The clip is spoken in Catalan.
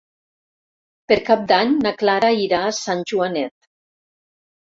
Per Cap d'Any na Clara irà a Sant Joanet.